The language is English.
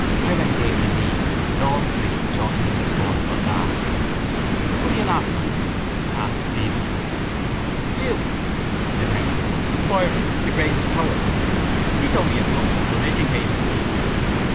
Heron gave the lead and all three joined in a scornful laugh. —What are you laughing at? asked Stephen. —You, said Heron. Byron the greatest poet! He's only a poet for uneducated people.